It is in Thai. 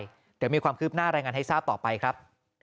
เดี๋ยวมีความคืบหน้ารายงานให้ทราบต่อไปครับ